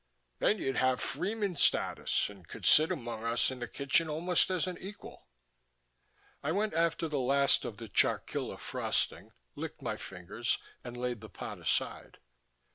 Then you'd have freeman status, and could sit among us in the kitchen almost as an equal." I went after the last of the chocilla frosting, licked my fingers, and laid the pot aside.